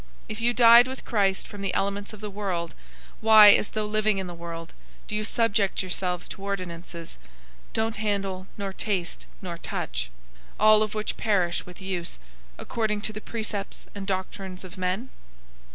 002:020 If you died with Christ from the elements of the world, why, as though living in the world, do you subject yourselves to ordinances, 002:021 "Don't handle, nor taste, nor touch" 002:022 (all of which perish with use), according to the precepts and doctrines of men?